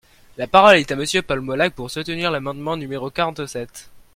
La parole est à Monsieur Paul Molac, pour soutenir l’amendement numéro quarante-sept.